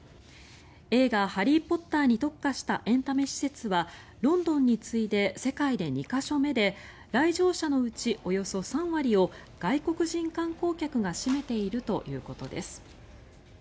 映画「ハリー・ポッター」に特化したエンタメ施設はロンドンに次いで世界で２か所目で来場者のうちおよそ３割を外国人観光客が占めているということです。